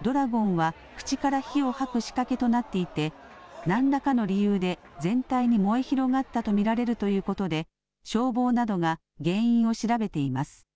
ドラゴンは口から火を吐く仕掛けとなっていて何らかの理由で全体に燃え広がったと見られるということで消防などが原因を調べています。